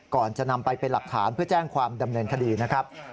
ก่อนจะนำไปเป็นหลักฐานเพื่อแจ้งความดำเนินคดีนะครับ